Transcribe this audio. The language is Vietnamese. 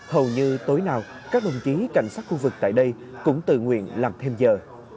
hầu như tối nào các đồng chí cảnh sát khu vực tại đây cũng tự nguyện làm thêm giờ